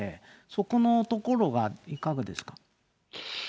そこのところはいかがですか。